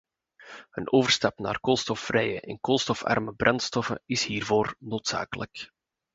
Een overstap naar koolstofvrije en koolstofarme brandstoffen is hiervoor noodzakelijk.